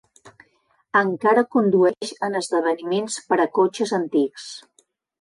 Encara condueix en esdeveniments per a cotxes antics.